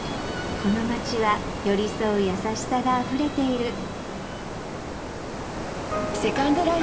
この街は寄り添う優しさがあふれている